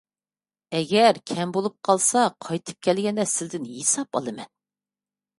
ئەگەر كەم بولۇپ قالسا، قايتىپ كەلگەندە سىلىدىن ھېساب ئالىمەن.